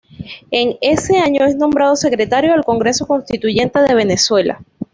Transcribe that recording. En ese año es nombrado Secretario del Congreso Constituyente de Venezuela.